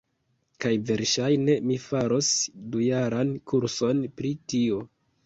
kaj verŝajne mi faros dujaran kurson pri tio.